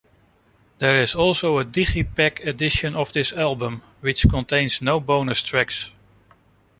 There is also a digipak edition of this album which contains no bonus tracks.